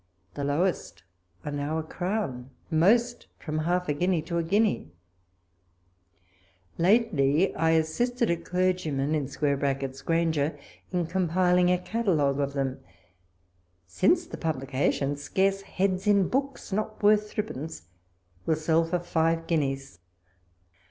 The lowest are now a crown ; most, from half a guinea to a guinea. Lately, I assisted a clergyman [Granger] in com piling a catalogue of theni ; since the publica tion, scarce heads in books, not worth three pence, will sell for five guineas.